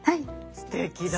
すてきだわ。